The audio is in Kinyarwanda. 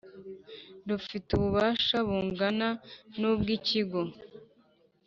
rufite ububasha bungana n ubw Ikigo